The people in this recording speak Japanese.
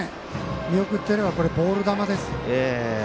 見送っていればこれボール球ですね。